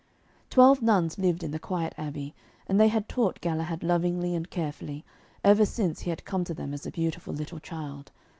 Twelve nuns lived in the quiet abbey, and they had taught Galahad lovingly and carefully, ever since he had come to them as a beautiful little child.